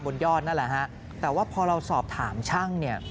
บนยอดนั่นแหละฮะแต่ว่าพอเราสอบถามช่างเนี่ย